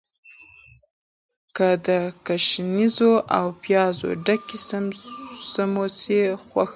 زه د ګشنیزو او پیازو ډکې سموسې خوښوم.